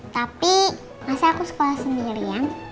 tapi masa aku sekolah sendiri ya